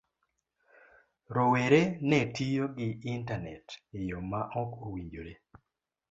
Rowere ne tiyo gi Intanet e yo ma ok owinjore.